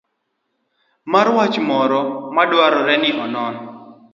mar wach moro ma dwarore ni onon